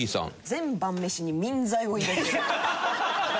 全晩飯に眠剤を入れる。